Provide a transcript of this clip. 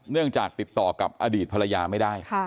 เนื่องจากติดต่อกับอดีตภรรยาไม่ได้